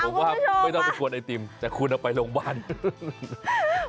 ผมว่าไม่ต้องไปกวนไอติมแต่คุณเอาไปลงบ้าน